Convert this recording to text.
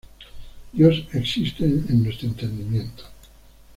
Dios existe en nuestro entendimiento.